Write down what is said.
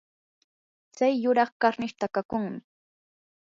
tsay yuraq karnish takakunmi.